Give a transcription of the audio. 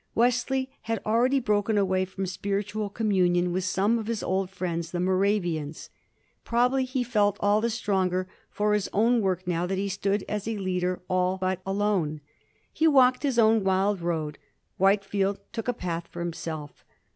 Wesley had already broken away from spiritual communion with some of his old friends, the Moravians. Probably he felt all the stronger for his own work now that he stood as a leader all but alone. He walked his own wild road; Whitefield took a path for himself.